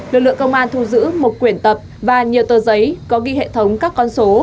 lực lượng công an thu giữ một quyển tập và nhiều tờ giấy có ghi hệ thống các con số